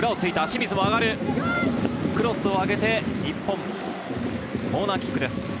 クロスを上げて、日本コーナーキックです。